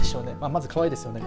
まずかわいいですね。